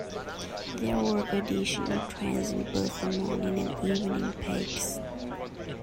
There were additional trains in both the morning and evening peaks.